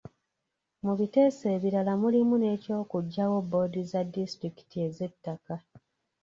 Mu biteeso ebirala mulimu n’eky'okuggyawo bboodi za disitulikiti ez’ettaka.